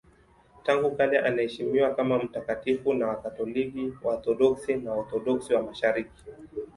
Tangu kale anaheshimiwa kama mtakatifu na Wakatoliki, Waorthodoksi na Waorthodoksi wa Mashariki.